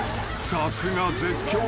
［さすが絶叫女王。